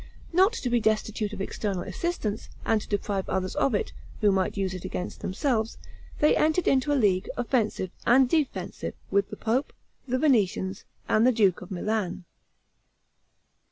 Not to be destitute of external assistance, and to deprive others of it, who might use it against themselves, they entered into a league, offensive and defensive, with the pope, the Venetians, and the duke of Milan.